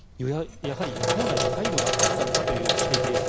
やはり与党内で配慮があったのかという指摘です